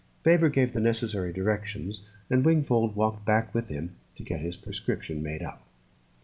Faber gave the necessary directions, and Wingfold walked back with him to get his prescription made up.